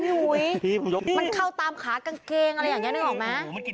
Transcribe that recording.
หุยมันเข้าตามขากางเกงอะไรอย่างนี้นึกออกไหม